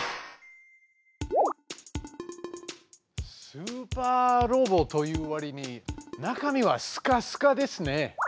スーパーロボというわりに中身はすかすかですね。